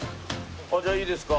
あっじゃあいいですか？